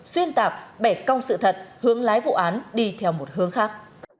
xuyên tạp bẻ cong sự thật hướng lái vụ án đi theo một hướng khác